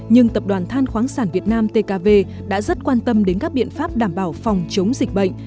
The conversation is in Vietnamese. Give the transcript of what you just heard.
nhưng tập đoàn than khoáng sản việt nam tkv đã rất quan tâm đến các biện pháp đảm bảo phòng chống dịch bệnh